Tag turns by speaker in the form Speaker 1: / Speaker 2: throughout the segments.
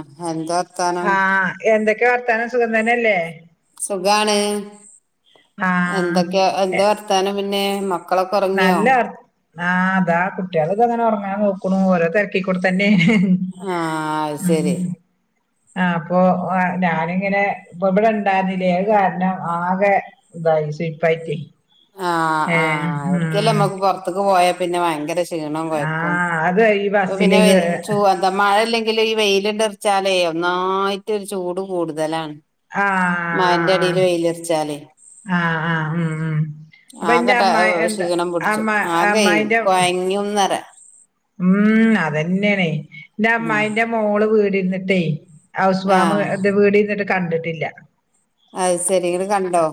Speaker 1: ആ എന്താ വർത്താനം
Speaker 2: ക്കെ വർത്താനം സുഖം തനല്ലേ
Speaker 1: സുഖാണ്
Speaker 2: ആഹ്
Speaker 1: എന്തൊക്കെയ
Speaker 2: എ
Speaker 1: എന്താ വർത്താനം പിന്നെ മക്ക മക്കളൊക്കെ ഉറങ്ങിയോ
Speaker 2: നല്ല വർ ആഹ് അതാ കുട്ടികളിത് അങ്ങനെ ഉറങ്ങാൻ നോക്കണുന്നു ഓരോ തിരക്കിടെ തന്നെ
Speaker 1: ആഹ് അത് ശരി
Speaker 2: ആ ആ അപ്പൊ ഞാനിങ്ങനെ ഇപ്പൊ ഇവിടെ ഇണ്ടായിരുന്നില്ലേ ഏത് കാരണം ആകെ ഇതായി സപ്പായിറ്റി
Speaker 1: ആഹ് ആഹ് അവർക്കല്ലേ നമ്മക്ക് പൊറത്ത്ക്ക് പോയം പിന്നെ ഭയങ്കരഷ് ക്ഷീണോം കൊയക്കും
Speaker 2: ആഹ് അത് ഈ
Speaker 1: ഇപ്‌പിന്നെ
Speaker 2: ബസ്സില് കേ
Speaker 1: വെയ് ചൂ എന്താ മയല്ലെങ്ക് ഇൻക്ക്ല്ലെ ഈ വെയില്ണ്ടർച്ചാലെ ഒന്നായിട്ടൊര് ചൂടു കൂട്തലാണ്.
Speaker 2: ആഹ്
Speaker 1: മയൻ്റെടീല് വെയിലർച്ചാലെ
Speaker 2: ആഹ് ആഹ് മ് മ്
Speaker 1: ആകട്ട ഏഹ് ക്ഷീണം പുട്ച്ച്.
Speaker 2: അമ്മ
Speaker 1: ആകെ കൊയങ്ങ്യുംന്നറിയ.
Speaker 2: മ് അതെന്നെണേ.
Speaker 1: ഉം
Speaker 2: ഇന്റമ്മായിൻ്റെ മോള് വീട് ഇന്ന്ട്ടേ അവുസ് വാമ്
Speaker 1: ആഹ്
Speaker 2: ഇത് വീടിര്ന്ന്ട്ട് കണ്ടിട്ടില്ല.
Speaker 1: അത് സെരി ഇങ്ങട്ട് കണ്ടോ?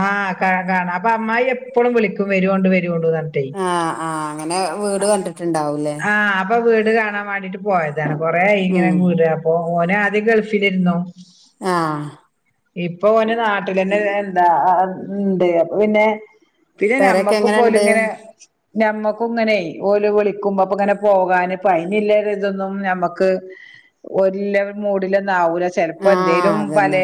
Speaker 2: ആ കാ കാണാപ്പ അമ്മായി എപ്പളും വിളിക്കും വെരോണ്ട് വെര്
Speaker 1: ആഹ് ആഹ് അങ്ങനെ വീട് കണ്ടിട്ട്ണ്ടാവും.
Speaker 2: ആ അപ്പ വീട് വീട് കാണാൻ വാണ്ടീട്ട് പോയ ത. കൊറേ ആയി ഇങ്ങനെ
Speaker 1: ഉം
Speaker 2: കൂട് അപ്പൊ ഓനാ ആ ദി ഗെൾഫിലേര്ന്നു.
Speaker 1: ആഹ്
Speaker 2: ഇപ്പോന് നാട്ടിലേന്നെ എന്താ ണ്ട് അപ്പ പിന്നെ പിന്നെ
Speaker 1: പെരൊക്കെ
Speaker 2: ഞമ്മക്കു
Speaker 1: എങ്ങനെണ്ട്
Speaker 2: പോല്ങ്ങനെ ഞമ്മക്കും ങ്ങനെ ഓല് വിളി ക്കുമ്പോ അപ്പങ്ങനെ പോകാന് അപ്പയ്ന്ല്ല ര് തൊന്നും ഞമ്മക്ക് ഓര് ല്ല മൂഡിലൊന്ന്
Speaker 1: ആ അതെന്നെ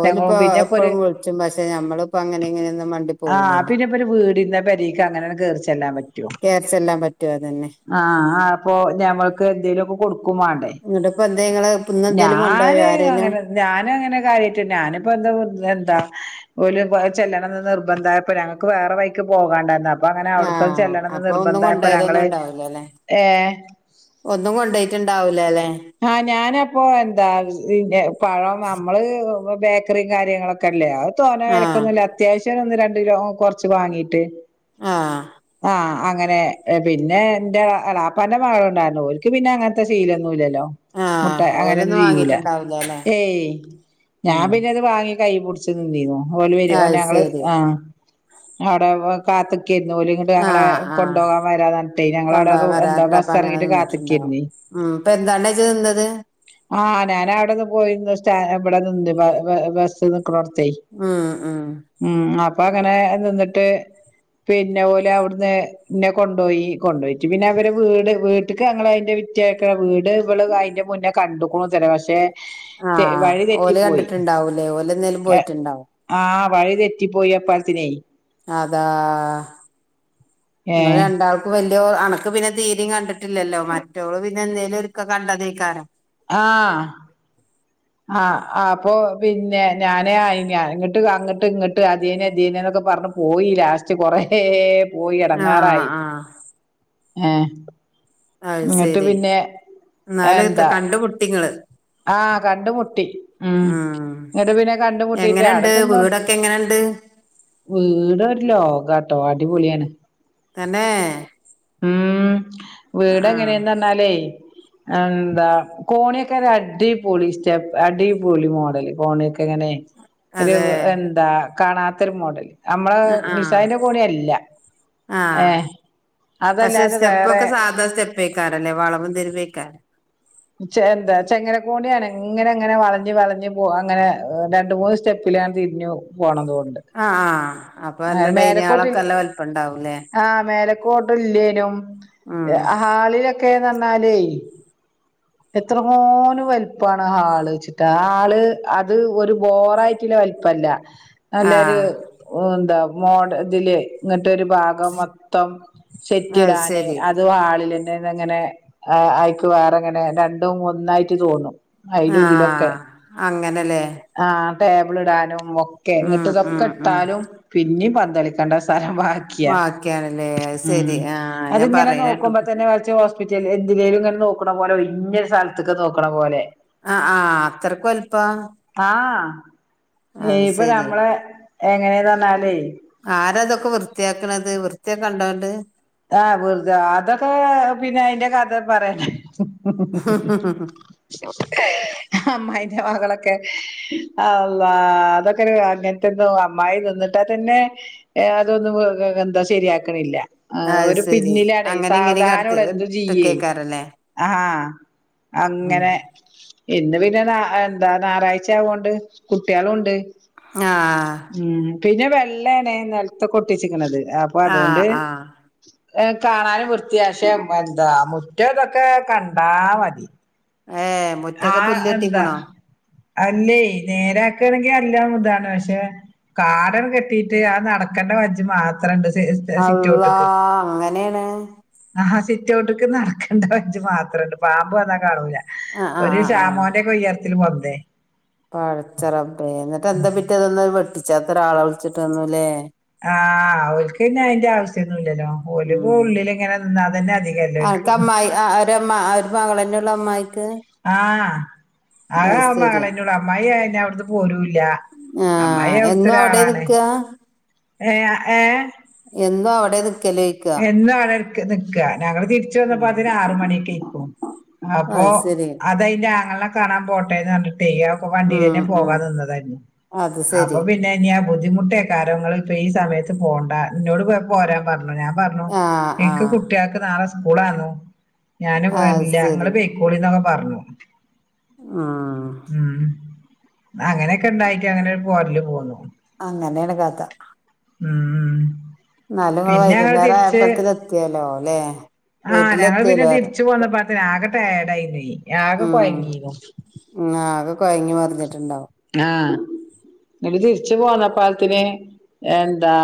Speaker 1: ഓല് പോ
Speaker 2: പിന്നെ ഇപ്പൊ ഒരു
Speaker 1: എപ്പളും വിൾച്ചും പക്ഷെ ഞമ്മളിപ്പോ അങ്ങനെ ഇങ്ങനൊന്നും മണ്ടി
Speaker 2: ആ
Speaker 1: പോവൂലല്ലോ
Speaker 2: പിന്നെപൊര് വ് വീടിര്ന്ന പെരീക്ക് അങ്ങനാങ്ങട്ട് കേറിച്ചെല്ലാ പറ്റ്
Speaker 1: കേർച്ചെല്ലാ പറ്റോ അതെന്നെ
Speaker 2: ആഹ് അപ്പൊ ഞമ്മക്ക് എന്തേലൊക്കെ കൊടുക് ക്കും മാണ്ടെ
Speaker 1: ഇന്നിട്ടിപ്പോ എന്തേ ഇങ്ങള് ഇന്നെന്തേലും കൊണ്ടോയോ
Speaker 2: ഞാന്
Speaker 1: ആരേലും
Speaker 2: അങ്ങനെ ഞാനങ്ങനെ കാര്യായിട്ട് ഞാനിപ്പോ എന്താ എന്താ ഓല് പോ ചെല്ലണന്ന് നിർ ബന്തായപ്പോ ഞങ്ങക്ക് വേറെ വൈക്ക് പോകാണ്ടായിര്ന്ന് അപ്
Speaker 1: ആ അപ്പൊ ഒന്നും കൊണ്ടോ യതൊന്നും
Speaker 2: ഞങ്ങള്
Speaker 1: ണ്ടാവൂലല്ലെ
Speaker 2: ഏഹ്
Speaker 1: ഒന്നും കൊണ്ടോയിട്ടാണ്ടാവ് ഇല്ലലേ
Speaker 2: ആ ഞാനപ്പൊ എന്താ പഴം അമ്മള് ബേക്കറിം കാര്യങ്ങളൊക്കെല്ലേ അത് തോന്നെ
Speaker 1: ആഹ്
Speaker 2: വേരാക്കമൊന്നുമില്ല അത്യാവശ്യ ഒന്ന് രണ്ട് കുറച്ച് വാങ്ങീട്ട്
Speaker 1: ആ
Speaker 2: ആഹ് അങ്ങനെ പിന്നെ എന്റെ ഇളപ്പന്റെ മക്കള് ഉണ്ടായിരുന്നു ഒരിക്ക് പിന്നെ അങ്ങനത്തെ ശീലൊന്നുമില്ലല്ലോ മുട്ട
Speaker 1: ആഹ്
Speaker 2: അങ്ങനെയൊന്നും
Speaker 1: ഓലൊന്നും
Speaker 2: ചെയ്യൂല
Speaker 1: വാങ്ങീട്ടുണ്ടാവൂലല്ലേ
Speaker 2: ഏയ് ഞാൻ
Speaker 1: ഉം
Speaker 2: പിന്നെ അത് വാങ്ങി കൈപിടി [inaudible] [unintelligible]
Speaker 1: അത് ശരി
Speaker 2: കാത്ത് ഒരേമ്മ് കൊണ്ട് ഞങ്ങളെ
Speaker 1: ആഹ് ആഹ്
Speaker 2: കൊണ്ടുപോകാൻ വേരാന്ന് പറഞ്ഞിട്ടേ ഞങ്ങള് അവിടെ
Speaker 1: കൊണ്ടോവാൻ
Speaker 2: എന്താ
Speaker 1: വരാർഞ്ഞിട്ട് അപ്പ
Speaker 2: ബസ്
Speaker 1: അങ്ങനെ
Speaker 2: ഇറങ്ങിട്ട്
Speaker 1: നിന്നിട്ടുണ്ടാവും
Speaker 2: കാത്തിക്കുന്നേ
Speaker 1: ഉം ഇപ്പ എന്താണ് ഇജ്ജ് നിന്നത്
Speaker 2: ആ ഞാന അവിടെന്ന് പോയിരുന്നു സാറ്റ [inaudible] [unintelligible]
Speaker 1: ഉം ഉം
Speaker 2: [unintelligible] അപ്പ അങ്ങനെ നിന്നിട്ട് പിന്നെ ഓളലാ അവിടുന്നെ നെ കൊണ്ടുപോയി കൊണ്ടുപോയിട്ട് പിന്നെ അവര് വീട് വീട്ടക്ക് ഞാങ്ങ അതിന്റെ വിറ്റക്ക [unintelligible]
Speaker 1: ആ ഓല് കണ്ടിട്ടുണ്ടാവൂല്ലേ ഓല് എന്തേലും പോയിട്ടുണ്ടാവും
Speaker 2: വഴിതെറ്റിപ്പോയിപ്പാലത്തിനെ
Speaker 1: അതാ നിങ്ങ
Speaker 2: ഏഹ്
Speaker 1: രണ്ടാൾക്ക് വല അനക്ക് പിന്നെ തീരം കണ്ടിട്ടില്ലല്ലോ മറ്റോള് പിന്നെ എന്തേലും ഒക്ക കണ്ട നീക്കാനാ
Speaker 2: ആ ആ ആ അപ്പൊ പിന്നെ ഞാനേ ആയിഞ അങ്ങോട്ട് ഇങ്ങിട്ട് അതേനെ അധനേ എന്നൊക്കെ പറഞ്ഞു പോയി ലാസ്റ്റ് കുറേ പോയി
Speaker 1: ആഹ്
Speaker 2: ഇടങ്ങാറായി
Speaker 1: ആഹ്
Speaker 2: ഏ
Speaker 1: അത്
Speaker 2: ഇങ്ങിട്ട്
Speaker 1: ശരി
Speaker 2: പിന്നെ
Speaker 1: എന്നാല്
Speaker 2: എന്താ
Speaker 1: കണ്ടുമുട്ടിങ്ങള്
Speaker 2: ആ കണ്ടുമുട്ടി ഉം ഇങ്ങട്ട് പിന്നെ കണ്ടുമുട്ടിട്ട് അടെ
Speaker 1: എങ്ങനെണ്ട്
Speaker 2: ചെന്ന്
Speaker 1: വീടൊക്കെ എങ്ങനെണ്ട്
Speaker 2: വീട ഒരു ലോക ട്ടോ അടിപൊളിയാണ്
Speaker 1: തന്നെ
Speaker 2: ഉം വീട്
Speaker 1: ആഹ്
Speaker 2: എങ്ങനെയെന്ന് അറിഞ്ഞാലേ എന്താ കോണിയൊക്കെ അടി പോളി സ്റ്റെപ്പ് അടി പോളി മോഡല് കോണിയൊക്കെ ഇങ്ങനെ ഒരു
Speaker 1: അതെ
Speaker 2: എന്താ കാണാത്തൊരു മോഡല് നമ്മള്
Speaker 1: ആഹ്
Speaker 2: നിസാദന്റെ കോണി അല്ല ഏ
Speaker 1: ആഹ് പക്ഷെ സ്റ്റെപ്പൊക്കെ സാധാ സ്റ്റെപ്പ് ക്കാറല്ലേ വളവം തരുവക്കാരം [unintelligible]
Speaker 2: ചെ ചങ്ങരകൊണിയാണ് ഇങ്ങനെ എങ്ങനെ വളഞ്ഞ് വളഞ്ഞ് അങ്ങനെ രണ്ട് മൂന്ന് സ്റ്റെപ്പിൽ പിരിഞ് പോ
Speaker 1: ആ ആ
Speaker 2: ആ മേലക്കോട്ട ആ മേലക്കോട്ടില്ലേനും
Speaker 1: ഉം
Speaker 2: ഹാളിലെ- ഒക്കെ നന്നാലേ എത്ര മോനും വലിപ്പമാണ് ആ ഹാള് ചിട്ടാഹാള് അത് ഒരു ബോറായിട്ടുള്ള വലിപ്പല്ല നല്ലരു
Speaker 1: ആഹ്
Speaker 2: ഓ എന്താ മോഡതില് ഇങ്ങ ട്ടൊരു ഭാഗം മൊത്തം സെറ്റി
Speaker 1: അത്
Speaker 2: ഇടാന്
Speaker 1: ശരി
Speaker 2: അതു ഹാളില് ങ്ങനെങ്ങനെ ആ അയ്ക്ക് വേറങ്ങനെ രണ്ടും ഒന്നായിട്ട് തോന്നും ഇതിലൊക്കെ
Speaker 1: ആഹ് അങ്ങനെലെ
Speaker 2: ടേബിള് ഇടാനും മൊക്കെ ഇങ്ങട്ട്തൊക്കെ
Speaker 1: ഉം ഉം
Speaker 2: ഇട്ടാലും പിന്നിം പ ദളിക്കണ്ടാസ് സാനം ബാക്കിയാ
Speaker 1: ബാക്കിയാണല്ലേ അത്
Speaker 2: ഉം
Speaker 1: ശരി ആഹ് ഞാൻ
Speaker 2: അത്ങ്ങനെ
Speaker 1: പറയണ കേട്ടു
Speaker 2: നോക്കുമ്പോ തന്നെ വച്ച് ഹോസ് പിറ്റേന്ന് എന്തിലേലുങ്ങനെ നോക്കണ പോലെ വരും ഇന്ന സല്ത്ക് നോക്കണ പോലെ
Speaker 1: ആ ആ അത്രക്കു അല്പ്പാ
Speaker 2: ഈപ്പ നമ്മളെ എങ്ങനേന്നെന്നാലേ
Speaker 1: ആരാതൊ ക്കെ വൃത്തിയാക്ക്‌ണത് വൃത്തിയ കണ്ടാണ്ട്
Speaker 2: ആഹ് വെർതെ അതൊക്കെ പിന്നെ അയ്ന്റെ കഥ പറയണ്ട അമ്മയി മകളൊക്കെ അള്ളാ അതൊക്കൊര് അങ്ങൻത്തൊക്ക ഒ അമ്മായി തിന്നിട്ടാ തന്നെ അതൊന്നും എന്താ ശരിയാക്ക് ണില്ല ആ
Speaker 1: അത്
Speaker 2: ഒരു
Speaker 1: ശരി
Speaker 2: പിന്നിലാണെ
Speaker 1: അങ്ങനെ ഇങ്ങനെ കടത്തി
Speaker 2: സാവ്ധാനൊട്ന്ന് ജീവ്യെ
Speaker 1: ഇട്ടക്കേക്കാരല്ലേ
Speaker 2: ആഹ് അങ്ങനെ
Speaker 1: ആഹ്
Speaker 2: ഇന്ന് പിന്നെ താ എന്താ ഞായറാഴ്ചയാവോണ്ട് കുട്ട്യേളുണ്ട്
Speaker 1: ആഹ്
Speaker 2: പിന്നെ വെള്ളേണെ നെൽത്തൊ കൊട്ടിച്ചിക്ക്ണത് അപ്പൊ
Speaker 1: ആഹ്
Speaker 2: അതുകൊണ്ട്
Speaker 1: ആഹ്
Speaker 2: ർ കാണാനും വൃത്തിയാ പക്ഷെ എന്താ മുറ്റം ഇതൊക്കെ കണ്ടാ മതി
Speaker 1: ഏഹ് മുറ്റൊക്കെ
Speaker 2: ആഹ
Speaker 1: പുല്ല്
Speaker 2: എന്താ
Speaker 1: കെട്ടിക്കണോ
Speaker 2: അല്ലേ നേരാക്കയാണെങ്കിൽ അല്ലാം ഇതാണ് പക്ഷെ കാടന കെട്ടീട്ട് ആ നടക്കേണ്ട വജ്ജ് മാത്രം
Speaker 1: അല്ലാ അങ്ങനെയാണ്
Speaker 2: റ്റോട്ടക്ക് നടക്കേണ്ട പ മാത്രംണ്ട് പാമ്പ് വന്നാ കാണൂല
Speaker 1: ആ
Speaker 2: ഒരു ഷാമോന്റെ ഒക്കെ ഉയരത്തിൽ വന്നു അ
Speaker 1: പഴച്ചറമ്പ എന്നി് എന്താ പറ്റിതൊന്ന വെട്ടിച്ച പത്ര ആളളിച്ചിട്ട് വന്നുല്ലേ
Speaker 2: ആഹ് ഒക്കന്ന അയിന്റെ ആവശ്യം
Speaker 1: ഉ
Speaker 2: തന്നെ അധികല്ലേ
Speaker 1: ആ്
Speaker 2: ഓൽക്ക്
Speaker 1: ഒമ്മ ഒരു മങ്ങളളന്നെ മ
Speaker 2: ആഹ ആഹ
Speaker 1: അത്
Speaker 2: ആഹ അ്ളെ എന്നോട് അമ്മായി അത്പല
Speaker 1: ആഹ എന്നോ അവിടെ നിക്ക
Speaker 2: ഏ ഏ
Speaker 1: എന്തോ അവിടന്ന്
Speaker 2: എന്ന വളർ ക്ക ഞങ്ങള് തിരിച്ച വന്നപ്പന് ആറ് മണിയൊക്ക ആയി പോകവും അപ്പൊ
Speaker 1: അത് ശരി
Speaker 2: അതല്ല അങ്ങ കാണാൻ പോട്ടെത ്യ ഒക്കെ
Speaker 1: ഉം
Speaker 2: വണ്ടിൽന്നെ പോകാ
Speaker 1: ഉം
Speaker 2: നിന്നതന്നെ
Speaker 1: അത്
Speaker 2: അപ്പൊ
Speaker 1: ശരി
Speaker 2: പിന്നെ ബുദ്ധിമുട്ടേക്കാര്യങ്ങങ്ങള് ഇപ്പൊ ഈ സമയത്ത് പോണ്ട എന്നോട് പോരാൻ പറഞ്ഞു ഞാൻ പറഞ്ഞു
Speaker 1: ആ ആ
Speaker 2: എനിക്ക് കുട്ടികൾക്ക് നാളെ കൂടായിന്നോ ഞാന്
Speaker 1: അത്
Speaker 2: എല്ല നിങ്ങള് പേ്ക്കോളിന്നൊക്കെ പറഞ്ഞു
Speaker 1: ആഹ
Speaker 2: അങ്ങനൊക്കെണ്ടാക്കും അങ്ങനെ പോരില് പോന്നു
Speaker 1: ആങ്ങനെകഥ
Speaker 2: ഉം ഉം
Speaker 1: നല്ലങ്ങ
Speaker 2: പിന്നെ
Speaker 1: വായിക്ക
Speaker 2: ഞങ്ങൾ
Speaker 1: വോയപ്പലത്തി എത്തിയാലോ അല്ലേ
Speaker 2: ആഹ ഞങ്ങള് പിന്നെ തിരിച്ച പോന്നപ്പ ഒകെ ഡായ ഡായി നെ കെ
Speaker 1: ഉം
Speaker 2: കുഴങ്ങീരുന്നു
Speaker 1: ഉം ആകെ കൊഴങ്ങി മറിഞ്ഞിട്ടുണ്ടാവും
Speaker 2: ആഹ ഇട്ട തിരിച്ചു പോന്നപ്പോ പ്പാലത്തിന് എന്താ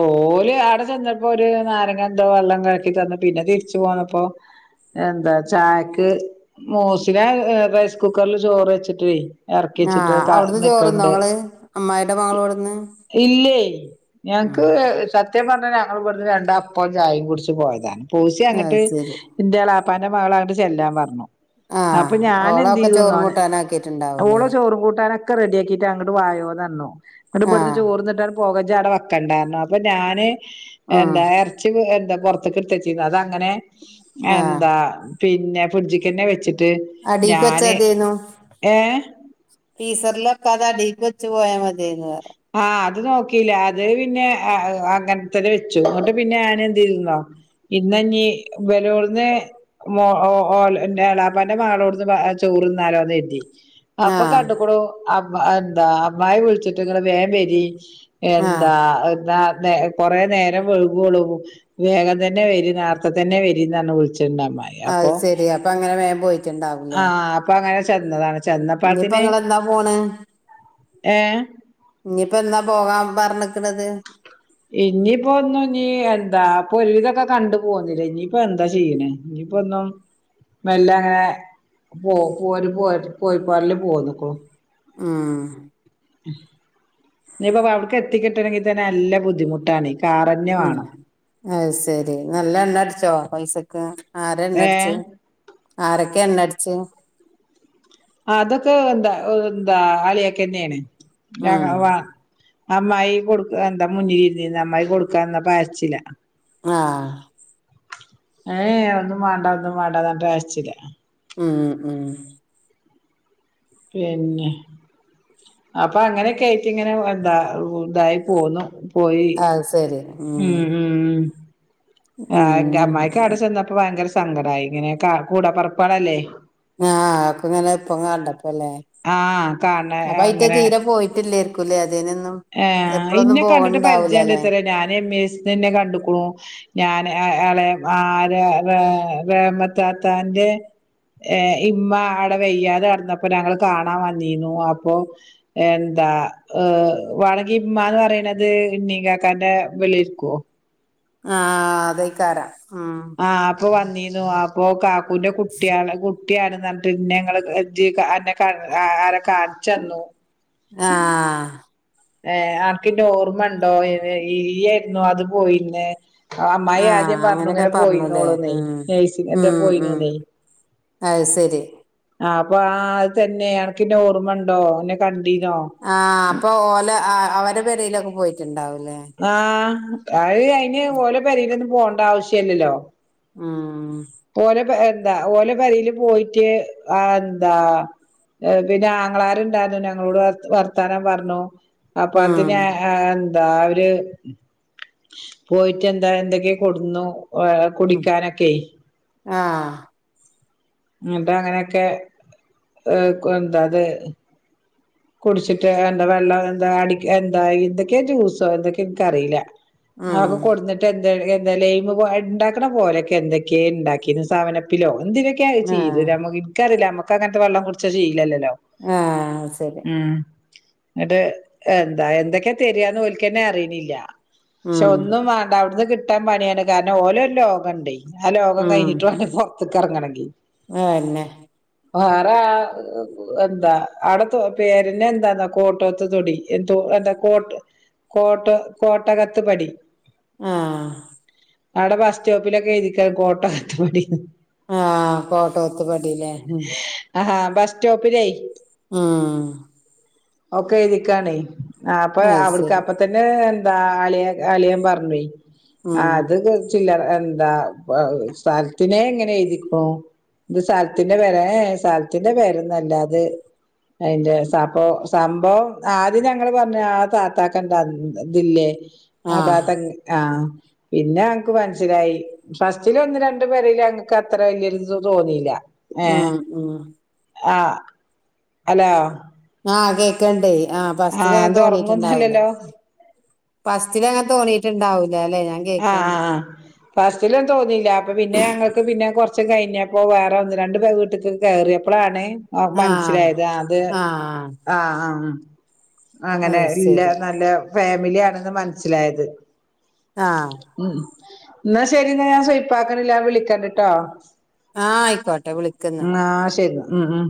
Speaker 2: ഓര് ആടെ ചെന്നപ്പോ ഒരു നാരങ്കന്തോ വെള്ളം ക തന്ന പിന്നെ തിരിച്ചു പോന്നപ്പോ എന്താ ചായക്ക് മോസിന റൈസ് കുക്കറിൽ ചോറ് വച്ചിട്ടേ ഇറക്കിച്ചിട്ട്
Speaker 1: ആഹ് അവിടുന്ന് ചോറുന്നോ
Speaker 2: നക്കണ്ട്
Speaker 1: ഇങ്ങള് അമ്മായിടെ മകളോട്ന്ന്
Speaker 2: ഇല്ലേ
Speaker 1: ഉം
Speaker 2: ഞങ്ങക്ക് സത്യം പറഞ്ഞ ടു രണ്ട് അപ്പം ചായ കു പോയതാണ് പോസി
Speaker 1: അത്
Speaker 2: അങ്ങിട്ട്
Speaker 1: ശരി
Speaker 2: ഇന്റ എ അപ്പന്റെ മകള അങ്ങട്ട് ചെല്ലാൻ പറഞ്ഞു
Speaker 1: ആഹ
Speaker 2: അപ്പൊ ഞാൻ
Speaker 1: ഓള
Speaker 2: എന്ത്
Speaker 1: ഒക്കെ ചോറ കു
Speaker 2: ചെയ്തുന്നോ
Speaker 1: ട്ടാന ആക്കിട്ടുണ്ടാവൂലേ
Speaker 2: ഒക്കെ റെഡിയാക്കിയിട്ട് അങ്ങട്ട് വായോന്നോ ഇവി ഇവിടുന്ന്
Speaker 1: ആഹ്
Speaker 2: ചോറ്ന്നിട്ടാണ് പോകാ ചാട ഒക്കണ്ടരുന്നു അപ്പൊ ഞാന്
Speaker 1: ഉം
Speaker 2: എന്താ ഇറച്ചി എന്താ അ കൃത് ചെയ്യുന്നത് അത അങ്ങനെ
Speaker 1: ആഹ്
Speaker 2: എന്താ പി പിന്നെുഡജിക്കന്നെ വെച്ചട്ട്
Speaker 1: അടീക്ക്
Speaker 2: ഞാന്
Speaker 1: വെച്ചതേന്നു
Speaker 2: ഏ
Speaker 1: ഈസറിലൊക്കെ അതാ അടിക്ക് വെച്ച് പോയാൽ മതി അതേ
Speaker 2: ആഹ് അത് നോക്കിയില്ല അത് പിന്നെ അങ്ങനത്തെ വെച്ചു അങ്ങോട്ട് പിന്നെ ഞന എന്തിരുന്നോ ഇന്നഞ്ഞീ വലോടന്ന് ഓ എളാപ്പാന്റെ മകളോന്ന് ചോറ്ന്നാലോന്ന് കരുതി അപ്പൊ
Speaker 1: ആഹ്
Speaker 2: കണ്ടക്കോ എന്താ ബായ വിളിച്ചിട്ട് ങ്ങൾ വേ മ്പരി
Speaker 1: ആഹ്
Speaker 2: എന്താ എന്താ കൊറേ നേരം ഒഴുകുള്ളൂ വേഗം തന്നെ വരും നേർത്ത തന്നെ വരി എ
Speaker 1: അത് ശരി അപ്പൊ അങ്ങനെ
Speaker 2: ആഹ അപ്പൊ അങ്ങനെ ചെന്നതാണ്
Speaker 1: ഇനിയിപ്പ
Speaker 2: ചെന്നപ്പാത്തിന്
Speaker 1: ഇങ്ങെന്താ പോണെ
Speaker 2: ഏ
Speaker 1: ഇനിയിപ്പോ എന്നാ പോകാൻ പറഞ്ഞ
Speaker 2: ഇനിപ്പോ ഒന്നു നീ എന്താ ഇപൊരുതൊക്കെ കണ്ടു പോന്നില്ലേ ഇനിയിപ്പോ എന്താ ചെയ്യണേ ഇനിയിപ്പോ ഒന്നും മെല്ല അങ്ങനെ പോ പോര് പോ പോയി പോറല് പോന്നേക്കൂ
Speaker 1: ആ
Speaker 2: നുപ്പൊ അവിടക്ക് എത്തിക്കിട്ടണെങ്കിൽ തന്നെ നല്ല ബുദ്ധിമുട്ടാണ് കാറന്നെ
Speaker 1: ഉം
Speaker 2: വേണം
Speaker 1: അത് ശരി നല്ല എണ്ണ അടിച്ചോ പൈസ ഒക്ക ആരാ എണ്ണ
Speaker 2: ഏ
Speaker 1: അടിച്ചതു ആരൊക്കെ എണ്ണ അടിച്ച്
Speaker 2: അതൊക്കെ എന്താ എന്താ അളിയൊക്കെ തന്നെയാണ് രക
Speaker 1: ഉം
Speaker 2: വ അമ്മായി കൊടുക്ക എന്താ മുന്നില ഇരുന്നീന്ന് അമ്മായി കൊടുക്കാന്ന പച്ചില്ല
Speaker 1: ആ
Speaker 2: ഏയ് ഒന്നും വാണ്ട ഒന്നും വാണ്ട എന്ന് പറഞട്ട് രാശിച്ചില്ലേ
Speaker 1: ഉം ഉ ഉം
Speaker 2: പിന്നെ അപ്പൊ അങ്ങനെക്കെ ആയിട്ട് ഇങ്ങനെ എന്താ ഇതായി പോന്നു പോയി
Speaker 1: അത് ശരി
Speaker 2: ഉം ഉം ഉ ആ എന്റ
Speaker 1: ഉം
Speaker 2: അമ്മായിക്ക് അവിടെ ചെന്നപ്പോ ഭയങ്കര സങ്കടായി ഇങ്ങനെക്ക കൂടപെറപ്പുകളല്ലേ
Speaker 1: ആ ക്ക് ഇങ്ങനെ ഇപ്പൊ കണ്ടണ്ട് ല്ലേ
Speaker 2: ആഹ് കാണ
Speaker 1: അപ്പ ഇയിറ്റ തീരെ പോയിട്ടില്ലേ [unintelligible]
Speaker 2: ആ ഇന്നെ കണ്ടിട്ട് പരിചയമണ്ട്
Speaker 1: പോവണ്ടാവൂലല്ലേ
Speaker 2: ഇത്ര ഞാൻ എം എസ്ന്നെ കണ്ട്ക്കണൂ ഞാൻ ആളെ ആര് ആ മേത്താത്താന്റെ ഇമ്മ അവിടെ വെയ്യാതെ കെടന്നപ്പോ ഞങ്ങള് കാണാൻ വന്നിരുന്നു അപ്പൊ എന്താ ഏ വാണകിമ്മ എന്ന് പറയുന്നത് നീ കാക്കാന്റെ വെളിരിക്കുവോ
Speaker 1: ആ അതേക്കാരം ഉം
Speaker 2: ആ അപ്പൊ വന്നി ലോ ആപ്പോ കാ ഓന്റെ കുട്ടിയാണ് കുട്ടിയാണ് ന [unintelligible] ങ്ങള് ക അര കാല് ചെന്നു
Speaker 1: ആഹ്
Speaker 2: ഏ ആർക്കി ന്നെ ഓർമ്മ ഉണ്ടോ ഈയായിരുന്നോ അത് പോയില്ലേ അമ്മായി
Speaker 1: ആഹ്
Speaker 2: ആദ്യം പറഞ്ഞു
Speaker 1: അങ്ങനൊക്കെ
Speaker 2: ഇങ്ങനെ
Speaker 1: പറഞ്ഞുല്ലേ
Speaker 2: പോയിന്നോളു ന്നെ
Speaker 1: ഉം
Speaker 2: നഴ്സിംഗ് എന്തോ
Speaker 1: ഉം ഉം
Speaker 2: പോയിന്നുന്നെയ്
Speaker 1: അത് സെരി
Speaker 2: ആ അപ്പൊ ആ അത് തന്നെ അൻക്ക്ന്നെ ഓർമ്മണ്ടോ ന്നെ കണ്ടീ
Speaker 1: ആ അപ്പൊ ഓല ആ അവരെ പെരേലൊക്കെ പോയിട്ട്ണ്ടാവും
Speaker 2: ആഹ് ആ [unintelligible] അയിന് അയിന് ഓലോ പേരെലൊന്നും പോവണ്ട ആവശ്യവില്ലല്ലോ
Speaker 1: ആ
Speaker 2: പോനപ്പോ [unintelligible] എന്താ ഓലെ പേരെല് പോയിട്ട് ആ എന്താ പിന്നെ ആങ്ങളമ്മാരുണ്ടായിരുന്നു ഞങ്ങളോട് വ വർത്താനം പറഞ്ഞു അപ്പ
Speaker 1: ഉം
Speaker 2: അതിന് ആ ദാ അവര് പോയിട്ട് എന്താ എന്തൊക്കെയൊ കൊടുന്നു ഓ വെള്ളം കുടിക്കാനൊക്കെയെ
Speaker 1: ആഹ്
Speaker 2: എന്നിട്ട് അങ്ങനെയൊക്കെ ഏർ കൊ എന്താ അത് കുടിച്ചിട്ട് എന്താ വെള്ളം എന്താ അടി എന്താ എന്തൊക്കെയാ ജ്യൂസോ എന്തൊക്കെയ എനിക്കറിയില്ല
Speaker 1: ഉം
Speaker 2: അതൊക്ക കൊടുന്നിട്ട് എ [unintelligible] ന്ത എന്താല ഉ [unintelligible] ണ്ടാക്കണ പോലെയൊക്കെ എന്തൊക്കെയെ ഉണ്ടാക്കിന്ന് സെവനപ്പിലോ എന്തിനൊക്കെയ അത്
Speaker 1: ആ
Speaker 2: ചെയ്ത് നമ്മക്ക് എന്ക്കറിയില്ല ഞമ്മക്ക് അക്ക അങ്ങത്തെ വെള്ളം കുടിച്ചാ ചെയ്ല്ലോ
Speaker 1: ആ സെരി
Speaker 2: ഉം എങ്ങിട്ട് എന്താ എന്തൊക്കെയാ തരിയാന്ന് ഓൽക്ക്‌ തന്നെ അറിയണില്ല പക്ഷെ
Speaker 1: ഉം
Speaker 2: ഒന്നും വേണ്ട അവിടുന്ന് കിട്ട് കിട്ടാൻ പണിയാണ് കാരണം ഓലോ ഒരു ലോകണ്ടെ ആ ലോകം
Speaker 1: ഉം
Speaker 2: കഴിഞ്ഞിട്ട് വേണം പൊറത്തക്ക് എറങ്ങണെങ്കി
Speaker 1: അതന്നെ
Speaker 2: വേറെ എന്താ ആടെ പേരിനെ എന്താന്നാ കോട്ടത്ത് തൊടി എന്ത എന്താ കോട്ട് കോട്ടോ കോട്ടകത്ത് പടി
Speaker 1: ആഹ്
Speaker 2: അവിടെ ബസ് സ്റ്റോപ്പിലൊക്കെ എഴുതിക്കാ കോട്ടകത്ത് പടീന്ന്
Speaker 1: ആഹ് കോട്ടോത്ത് പടീല്ലേ
Speaker 2: ആഹാ ബസ് സ്റ്റോപ്പിലേ
Speaker 1: ആഹ്
Speaker 2: ഒക്കെ എഴുതിക്കാണേ ആ അപ്പൊ
Speaker 1: അത്
Speaker 2: അവിടുക്ക്
Speaker 1: ശരി
Speaker 2: അപ്പ തന്നെ എന്ത് എന്താ അളിയൻ അളിയൻ പറഞ്ഞുവേ
Speaker 1: ഉം
Speaker 2: ആഹ് അത് ക് ചില്ലറ എന്താ സഥലത്തിനേ എങ്ങനെ എയ്തിക്കുണു ഇത് സഥലത്തിന്റെ പേര സഥലത്തിന്റെ പേരൊന്നല്ല അതിന്റെസാപ്പോ സംഭവം ആദ്യം ഞങ്ങള് പറഞ്ഞു ആ താത്താക്കെന്താ ഇതില്ലേ? ആ താത്തങ്ങനെ ആഹ പിന്നെ ങ്ങക്ക് മനസ്സിലായി ഫസ്റ്റില ഒന്ന് രണ്ടു പേരും അക്ക് അത്ര വല്യൊരു ഇത് തോന്നിയില്ല ഏ
Speaker 1: ഉം ഉ
Speaker 2: ആ ഹലോ
Speaker 1: ആഹ കേക്കണ്ടേ ആഹ
Speaker 2: ആ
Speaker 1: ഫസ്റ്റിലങ്ങൻ
Speaker 2: എന്താ
Speaker 1: തോന്നീയിട്ടുണ്ടാവൂല
Speaker 2: ഉറങ്ങൊന്നുല്ലല്ലോ
Speaker 1: ഫസ്റ്റിലങ്ങെ തോന്നീട്ട ണ്ടാവും
Speaker 2: ആഹ് ആ ഫസ്റ്റിലന്ന തോന്നില്ല അപ്പൊ പിന്നെ ഞങ്ങൾക്ക് പിന്നെ കൊറ കുറച്ച കഴിഞ്ഞപ്പോ വേറെ ഒന്ന് രണ്ടു പേർ വീട്ടിലക്ക് കയറി എപ്പഴാണ് ആ മനസ്സിലായത് അത്
Speaker 1: ആ
Speaker 2: ആഹ ആഹ അങ്ങനെ
Speaker 1: അത്
Speaker 2: ഇല്ല
Speaker 1: ശരി
Speaker 2: നല്ല ഫാമി ഫാമിലിയ ആണെന്ന് മനസ്സിലായത്
Speaker 1: ആഹ
Speaker 2: ഉം എന്നാ ശരി എന്ന ഞാൻ സുയിപ്പാക്കണില്ല വിളിക്കണ്ടിട്ടോ
Speaker 1: ആഹ ആയിക്കോട്ടെ വിളിക്കുന്നാ
Speaker 2: ആ ആ ശെരി ഉം ഉ